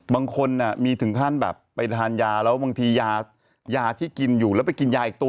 บางคนมีถึงขั้นแบบไปทานยาแล้วบางทียาที่กินอยู่แล้วไปกินยาอีกตัว